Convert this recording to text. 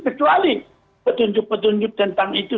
kecuali petunjuk petunjuk tentang itu